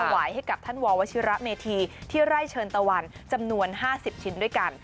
ถวายให้กับท่านววชิระเมธีที่ไร่เชิญตะวันจำนวน๕๐ชิ้นด้วยกัน